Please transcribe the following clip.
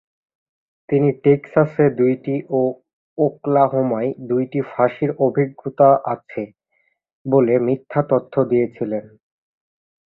তিনি টেক্সাসে দুইটি ও ওকলাহোমায় দুইটি ফাঁসির অভিজ্ঞতা আছে বলে মিথ্যা তথ্য দিয়েছিলেন।